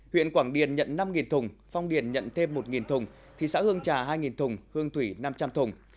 huyện quảng điền nhận năm thùng phong điền nhận thêm một thùng thị xã hương trà hai thùng hương thủy năm trăm linh thùng